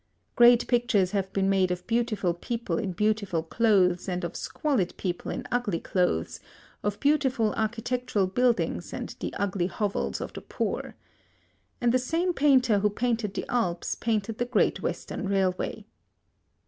Great pictures have been made of beautiful people in beautiful clothes and of squalid people in ugly clothes, of beautiful architectural buildings and the ugly hovels of the poor. And the same painter who painted the Alps painted the Great Western Railway.